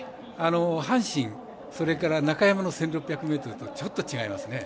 阪神、それから中山の１６００ｍとちょっと違いますね。